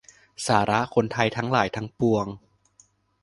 สาระ คนไทยทั้งหลายทั้งปวง